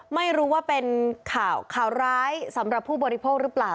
ไม่รู้ว่าเป็นข่าวข่าวร้ายสำหรับผู้บริโภคหรือเปล่า